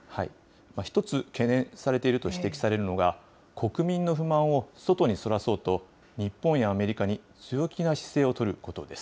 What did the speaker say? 一つ懸念されていると指摘されるのが、国民の不満を外にそらそうと、日本やアメリカに強気な姿勢を取ることです。